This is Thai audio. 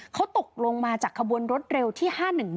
เขาตกลงมาจากขบวนรถเร็วที่๕๑๑